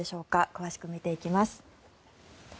詳しく見ていきます。